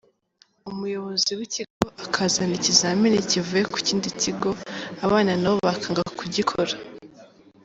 Umuyobozi w’ikigo akazana ikizami kivuye ku kindi kigo abana nabo bakanga kugikora.